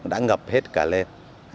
đã ngập hết cả lên